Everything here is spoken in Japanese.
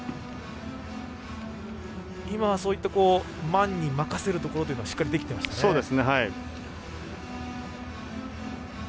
今はそういったマンに任せるというところはしっかり、できていましたね。